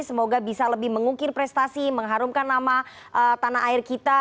semoga bisa lebih mengukir prestasi mengharumkan nama tanah air kita